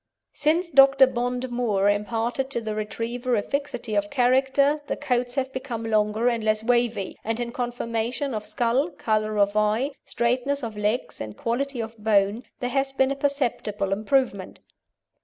Since Dr. Bond Moore imparted to the Retriever a fixity of character, the coats have become longer and less wavy, and in conformation of skull, colour of eye, straightness of legs, and quality of bone, there has been a perceptible improvement.